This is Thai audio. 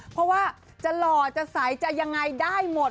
เพราะว่าจะหล่อจะใสจะยังไงได้หมด